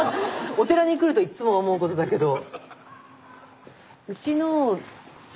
お寺に来るといっつも思うことだけど。